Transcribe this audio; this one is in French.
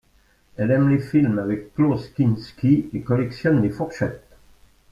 Elle aime les films avec Klaus Kinski et collectionne les fourchettes.